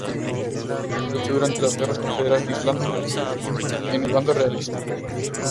Luchó durante las Guerras confederadas de Irlanda en el bando "Realista".